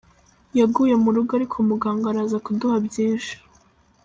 Yaguye mu rugo ariko muganga araza kuduha byinshi.